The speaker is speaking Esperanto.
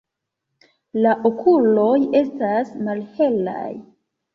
La okuloj estas malhelaj.